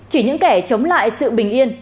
chỉ những kẻ chống lại sự bình yên